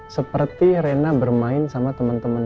seperti rena bermain sama temen temen